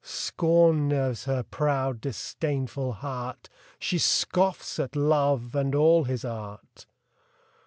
Scorn nerves her proud, disdainful heart ! She scoffs at Love and all his art